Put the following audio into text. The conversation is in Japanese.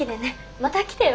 また来てよ。